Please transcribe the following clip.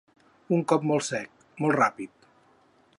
Un cop molt sec, molt ràpid.